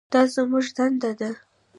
دا زموږ دنده ده.